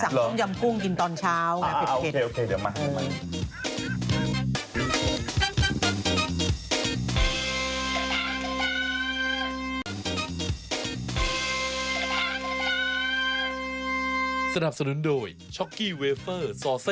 สั่งต้มยำกุ้งกินตอนเช้างานเผ็ดเผ็ดโอเคเดี๋ยวมา